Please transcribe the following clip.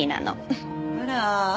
あら。